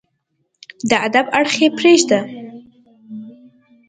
د ادب اړخ يې پرېږده